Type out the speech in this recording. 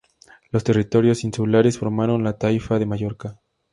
Los territorios insulares formaron la taifa de Mallorca.